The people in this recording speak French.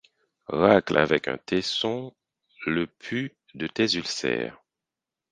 Racle avec un tesson le pus de tes ulcères